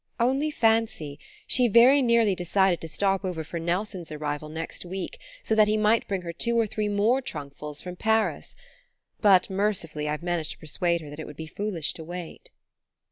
"Only fancy she very nearly decided to stop over for Nelson's arrival next week, so that he might bring her two or three more trunkfuls from Paris. But mercifully I've managed to persuade her that it would be foolish to wait."